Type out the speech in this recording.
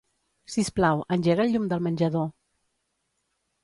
Sisplau, engega el llum del menjador.